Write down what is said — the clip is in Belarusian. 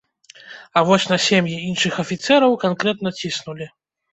А вось на сем'і іншых афіцэраў канкрэтна ціснулі.